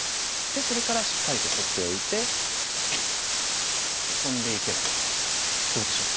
それからしっかりと取っておいてトンでいけばどうでしょう？